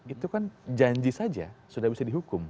itu kan janji saja sudah bisa dihukum